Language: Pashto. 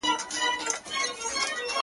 په غرمو کې وگټه، په سايو کې وخوره.